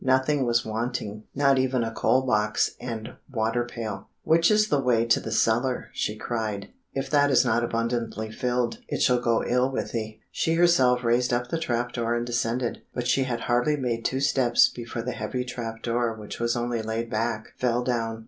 Nothing was wanting, not even a coal box and water pail. "Which is the way to the cellar?" she cried. "If that is not abundantly filled, it shall go ill with thee." She herself raised up the trap door and descended; but she had hardly made two steps before the heavy trap door which was only laid back, fell down.